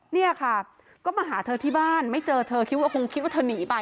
เนี่ยค่ะก็มาหาเธอที่บ้านไม่เจอเธอคิดว่าคงคิดว่าเธอหนีไป